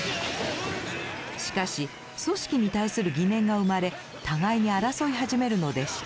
しかし組織に対する疑念が生まれ互いに争い始めるのでした。